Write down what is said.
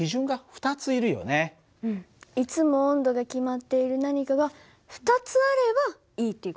いつも温度が決まっている何かが２つあればいいっていう事か。